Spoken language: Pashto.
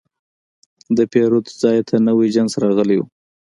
د پیرود ځای ته نوی جنس راغلی و.